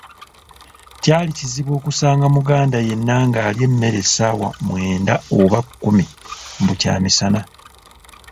Kyali kizibu okusanga Muganda yenna ng'alya emmere essaawa mwenda oba kkumi mbu kyamisana !